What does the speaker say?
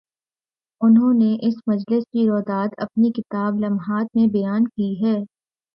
انہوں نے اس مجلس کی روداد اپنی کتاب "لمحات" میں بیان کی ہے۔